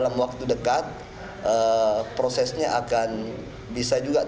karena hari itu juga kita mengukur dua belas anak penyandang disabilitas